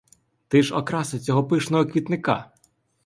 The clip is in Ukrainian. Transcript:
Ти ж окраса цього пишного квітника!